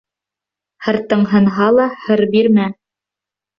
Һыртың һынһа ла, һыр бирмә.